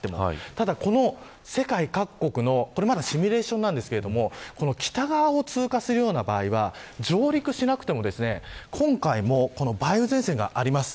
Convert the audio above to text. ただ世界各国の、これまだシミュレーションなんですけど北側を通過するような場合は上陸しなくても今回の梅雨前線があります。